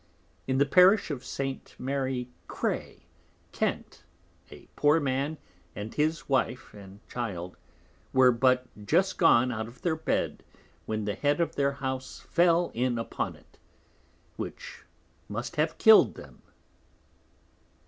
In the Parish of St. Mary Cray, Kent, a poor Man, with his Wife and Child, were but just gone out of their Bed, when the Head of their House fell in upon it; which must have kill'd them.